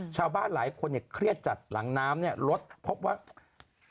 ชาวบ้านหลายคนเครียดจัดหลังน้ำลดพบว่า